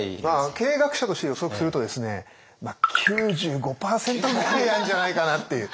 経営学者として予測するとですね９５％ぐらいなんじゃないかなっていう。